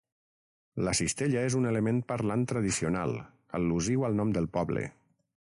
La cistella és un element parlant tradicional, al·lusiu al nom del poble.